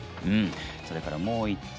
それからもう１通。